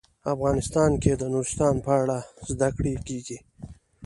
افغانستان کې د نورستان په اړه زده کړه کېږي.